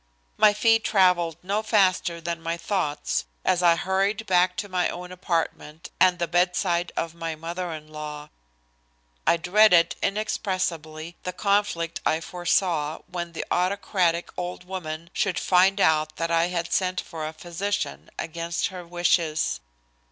My feet traveled no faster than my thoughts as I hurried back to my own apartment and the bedside of my mother in law. I dreaded inexpressibly the conflict I foresaw when the autocratic old woman should find out that I had sent for a physician against her wishes.